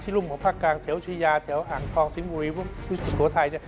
ที่รุ่มของภาคกลางแถวเชยาแถวอ่างทองสิงห์บุรีวิสุทธิ์โทษไทย